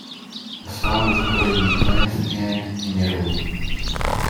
The song was recorded in France and in Italy.